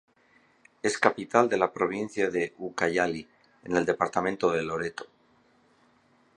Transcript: Es capital de la provincia de Ucayali en el departamento de Loreto.